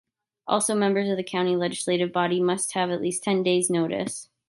Also, members of the county legislative body must have at least ten days notice.